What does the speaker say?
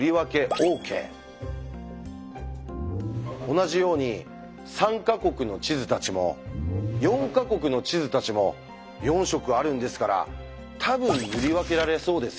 同じように３か国の地図たちも４か国の地図たちも４色あるんですから多分塗り分けられそうですよね。